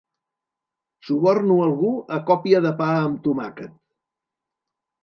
Suborno algú a còpia de pa amb tomàquet.